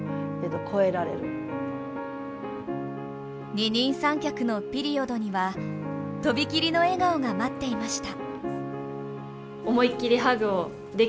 二人三脚のピリオドにはとびきりの笑顔が待っていました。